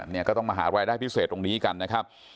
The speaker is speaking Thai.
เนี่ยก็ต้องมาหารายได้พิเศษตรงนี้กันนะครับ